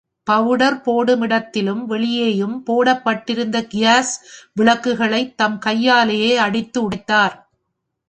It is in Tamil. பவுடர் போடுமிடத்திலும் வெளியேயும் போடப் பட்டிருந்த கியாஸ் விளக்குகளைத் தம் கையாலேயே அடித்து உடைத்தார்.